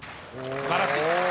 すばらしい。